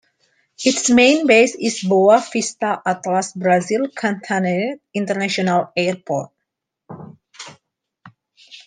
Its main base is Boa Vista-Atlas Brasil Cantanhede International Airport.